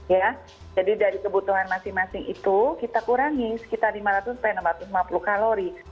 ya jadi dari kebutuhan masing masing itu kita kurangi sekitar lima ratus enam ratus lima puluh kalori